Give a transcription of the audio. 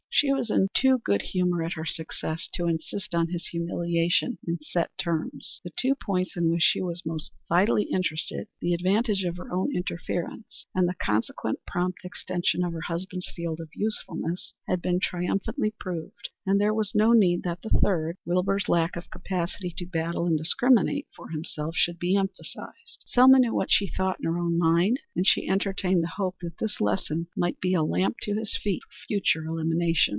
She was in too good humor at her success to insist on his humiliation in set terms. The two points in which she was most vitally interested the advantage of her own interference and the consequent prompt extension of her husband's field of usefulness had been triumphantly proved, and there was no need that the third Wilbur's lack of capacity to battle and discriminate for himself should be emphasized. Selma knew what she thought in her own mind, and she entertained the hope that this lesson might be a lamp to his feet for future illumination.